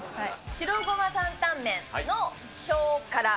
白胡麻担々麺の小辛。